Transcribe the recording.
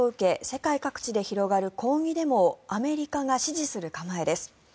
世界各地で広がる抗議デモをアメリカが支持する構えです。